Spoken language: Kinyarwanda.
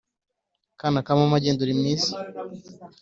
Kana ka mama genda uri mwiza